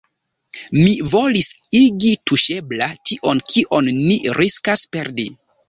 Mi volis igi tuŝebla tion, kion ni riskas perdi.